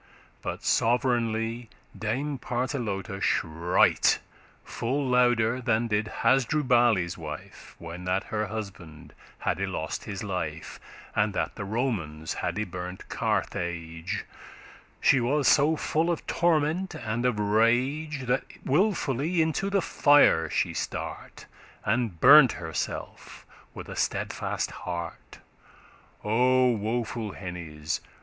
But sov'reignly* Dame Partelote shright, *above all others Full louder than did Hasdrubale's wife, shrieked When that her husband hadde lost his life, And that the Romans had y burnt Carthage; She was so full of torment and of rage, That wilfully into the fire she start, And burnt herselfe with a steadfast heart. O woeful hennes!